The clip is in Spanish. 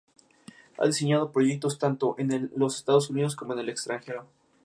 Ha diseñado proyectos tanto en los Estados Unidos como en el extranjero.